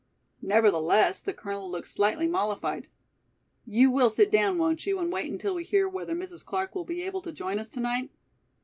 Nevertheless the colonel looked slightly mollified. "You will sit down, won't you, and wait until we hear whether Mrs. Clark will be able to join us tonight?"